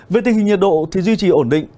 về tình hình nhiệt độ thì duy trì ổn định